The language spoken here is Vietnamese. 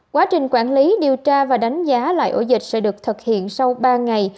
quá trình quản lý điều tra và đánh giá lại ổ dịch sẽ được thực hiện sau ba ngày